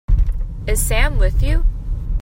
Is Sam with you?